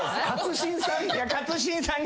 勝新さん？